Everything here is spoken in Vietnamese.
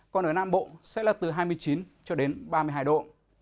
còn ở nam bộ sẽ là từ hai mươi chín cho đến ba mươi hai độ